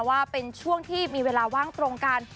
ว่าเป็นช่วงที่มีเวลาว่างตรงกัน